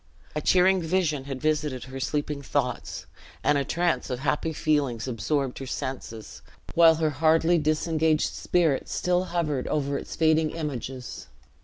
A cheering vision had visited her sleeping thoughts; and a trance of happy feelings absorbed her senses, while her hardly disengaged spirit still hovered over its fading images.